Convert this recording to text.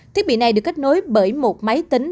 thiết bị này được kết nối bởi một máy tính